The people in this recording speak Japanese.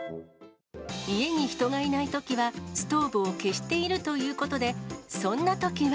家に人がいないときはストーブを消しているということで、そんなときは。